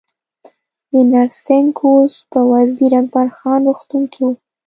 د نرسنګ کورس په وزیر اکبر خان روغتون کې و